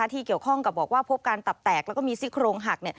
ที่เกี่ยวข้องกับบอกว่าพบการตับแตกแล้วก็มีซี่โครงหัก